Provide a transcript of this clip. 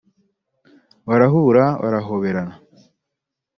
barahura barahorana